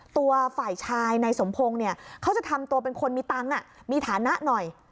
ตัวฝ่ายชายในสมพงศ์เนี่ยเขาจะทำตัวเป็นคนมีตังค์มีฐานะหน่อย